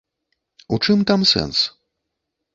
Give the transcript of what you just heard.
У чым там сэнс?